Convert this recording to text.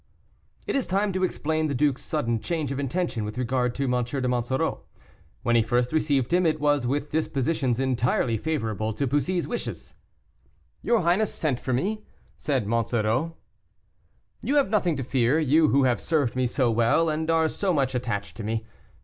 It is time to explain the duke's sudden change of intention with regard to M. de Monsoreau. When he first received him, it was with dispositions entirely favorable to Bussy's wishes. "Your highness sent for me?" said Monsoreau. "You have nothing to fear, you who have served me so well, and are so much attached to me.